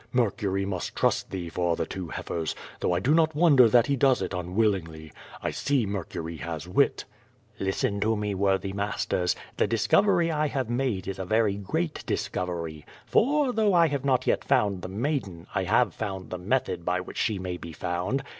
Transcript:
Mercury must trust thee for the two heifers, though I do not wonder that he does it unwillingly. I see Mercury has wit." "Listen to me, worthy masters. The discovery I have made is a very great discovery. For, though I have not yet found the maiden, I have found the method by which she may be found.